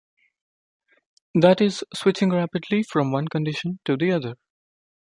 That is, switching rapidly from one condition to the other.